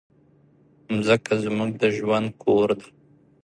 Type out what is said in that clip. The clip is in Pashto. مځکه زموږ د ژوند کور ده.